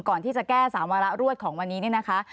ก่อนที่จะแก้๓วาระรวดของวันนี้เนี่ยนะคะ